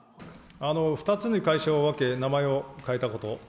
２つに会社を分け、名前を変えたこと。